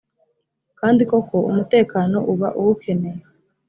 kandi koko umutekano uba uwukeneye